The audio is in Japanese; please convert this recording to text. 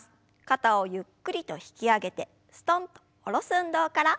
肩をゆっくりと引き上げてすとんと下ろす運動から。